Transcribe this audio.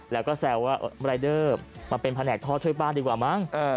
แล้วก็แซวว่ารายเดอร์มาเป็นแผนกท่อช่วยบ้านดีกว่ามั้ง